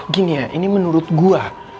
gini ya ini menurut gue